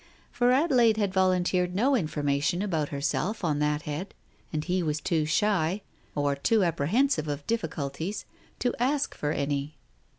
For Adelaide had volun teered no information about herself on that head, and he was too shy, or too apprehensive of difficulties to ask for any.